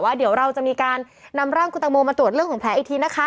เดี๋ยวเราจะมีการนำร่างคุณตังโมมาตรวจเรื่องของแผลอีกทีนะคะ